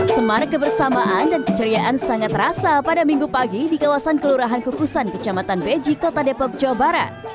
semarak kebersamaan dan keceriaan sangat terasa pada minggu pagi di kawasan kelurahan kukusan kecamatan beji kota depok jawa barat